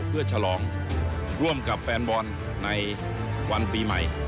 เพื่อฉลองร่วมกับแฟนบอลในวันปีใหม่